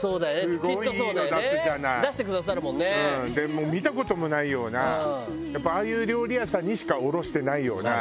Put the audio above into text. もう見た事もないようなやっぱああいう料理屋さんにしか卸してないような。